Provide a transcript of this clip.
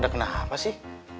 udah kenapa sih